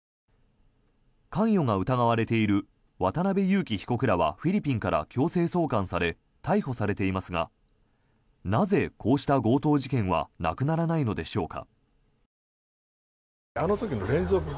関与が疑われている渡邉優樹被告らはフィリピンから強制送還され逮捕されていますがなぜ、こうした強盗事件はなくならないのでしょうか。